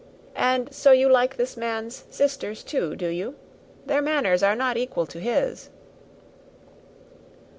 And so, you like this man's sisters, too, do you? Their manners are not equal to his."